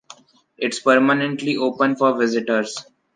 It’s permanently open for visitors.